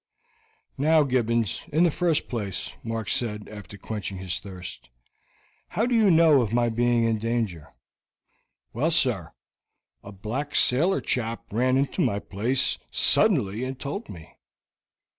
"Now, Gibbons, in the first place," Mark said, after quenching his thirst, "how did you know of my being in danger?" "Well, sir, a black sailor chap ran into my place suddenly and told me."